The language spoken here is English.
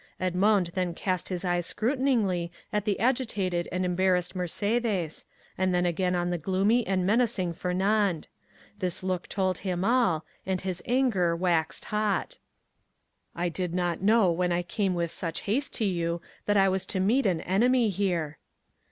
Edmond then cast his eyes scrutinizingly at the agitated and embarrassed Mercédès, and then again on the gloomy and menacing Fernand. This look told him all, and his anger waxed hot. "I did not know, when I came with such haste to you, that I was to meet an enemy here."